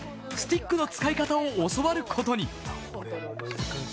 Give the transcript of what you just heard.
スティックの使い方を教わることに。